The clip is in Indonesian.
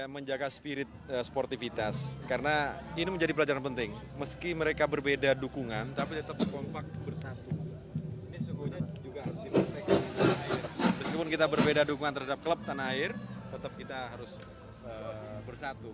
meskipun kita berbeda dukungan terhadap klub tanah air tetap kita harus bersatu